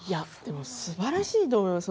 すばらしいと思います。